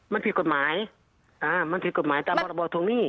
มันผิดกฎหมายมันผิดกฎหมายตามพรบทวงหนี้